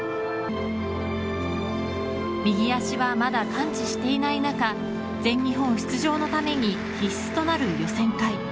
右足はまだ完治していない中全日本出場のために必須となる予選会。